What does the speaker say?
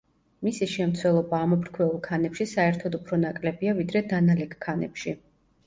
მისი შემცველობა ამოფრქვეულ ქანებში საერთოდ უფრო ნაკლებია, ვიდრე დანალექ ქანებში.